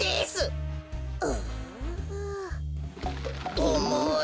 おもい！